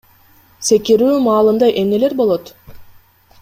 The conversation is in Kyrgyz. Секирүү маалында эмнелер болот?